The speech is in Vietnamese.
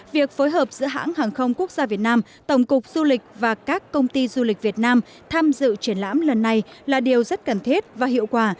việc phối hợp giữa hãng hàng không quốc gia việt nam tổng cục du lịch và các công ty du lịch việt nam tham dự triển lãm lần này là điều rất cần thiết và hiệu quả